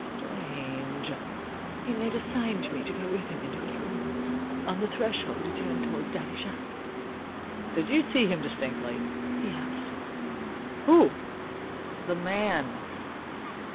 strange!' He made a sign to me to go with him into his room. On the threshold he turned towards Daddy Jacques. "'Did you see him distinctly?' he asked. "'Who?' "'The man?